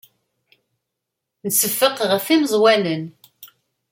Nseffeq ɣef yemẓawanen.